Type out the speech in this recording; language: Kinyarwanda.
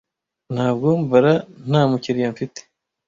ntabwo mbara nta mukiriya mfite